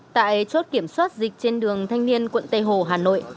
tại chốt kiểm soát dịch trên đường thanh niên quận tây hồ hà nội